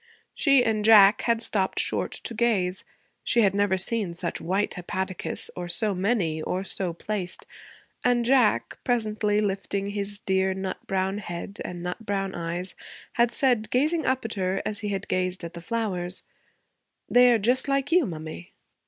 She and Jack had stopped short to gaze. She had never seen such white hepaticas, or so many, or so placed. And Jack, presently, lifting his dear nut brown head and nut brown eyes, had said, gazing up at her as he had gazed at the flowers, 'They are just like you, mummy.'